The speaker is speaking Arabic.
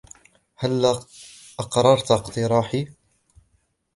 هلّا أقررت اقتراحي ؟